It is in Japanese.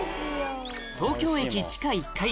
東京駅地下１階